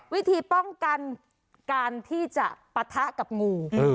วิธีป้องกันการที่จะปะทะกับงู